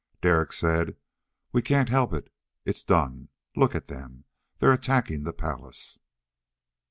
Derek said, "We can't help it it's done. Look at them! They're attacking the palace!"